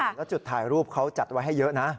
แล้วจุดถ่ายรูปเขาจัดไว้ให้เยอะนะ